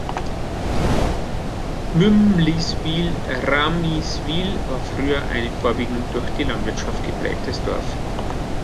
Mümliswil-Ramiswil war früher ein vorwiegend durch die Landwirtschaft geprägtes Dorf.